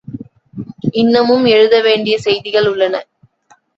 இன்னமும் எழுத வேண்டிய செய்திகள் உள்ளன.